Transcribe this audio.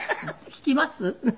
聞きます？